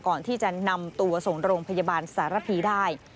ก่อนที่จะนำตัวส่งโรงพยาบาลสารพีได้